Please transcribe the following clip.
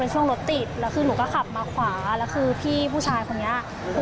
เป็นช่วงรถติดและลูกก็ขับมาขวาพี่ผู้ชายคนนี้